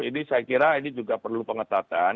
ini saya kira ini juga perlu pengetatan